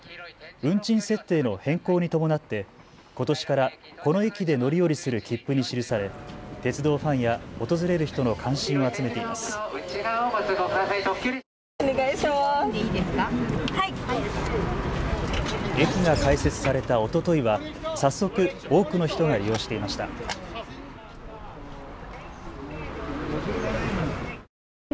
運賃設定の変更に伴ってことしからこの駅で乗り降りする切符に記され、鉄道ファンや訪れる人の関心を集めています。